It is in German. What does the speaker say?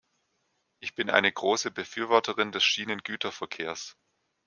Ich bin eine große Befürworterin des Schienengüterverkehrs.